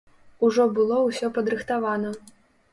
Ужо было ўсё падрыхтавана.